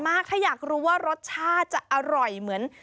ถ้าอยากรู้ว่ารสชาติจะอร่อยเหมือน